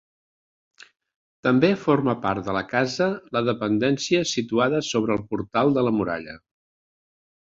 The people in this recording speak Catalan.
També forma part de la casa la dependència situada sobre el portal de la muralla.